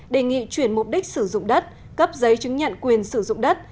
đề nghị chuyển mục đích sử dụng đất cấp giấy chứng nhận quyền sử dụng đất